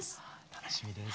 楽しみです。